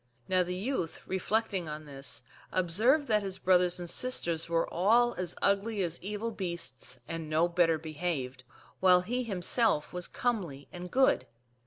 Now the youth, reflecting on this, ^observed that his brothers and sisters were all as ugly ;as evil beasts and no better behaved, while he himself comely and good.